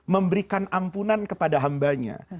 memberikan ampunan kepada hambanya